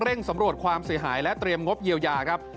สำรวจความเสียหายและเตรียมงบเยียวยาครับ